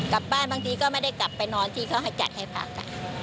กลับบ้านบางทีก็ไม่ได้กลับไปนอนที่เขาจัดให้พ่อกัน